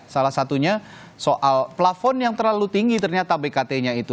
salah satunya soal plafon yang terlalu tinggi ternyata bkt nya itu